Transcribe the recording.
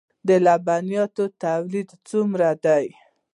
د لبنیاتو تولیدات څومره دي؟